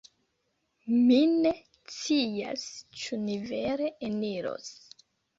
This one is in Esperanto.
Mi ne scias, ĉu ni vere eniros